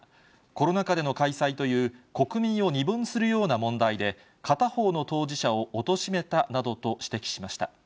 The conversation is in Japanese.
コロナ禍での開催という国民を二分するような問題で、片方の当事者をおとしめたなどと指摘しました。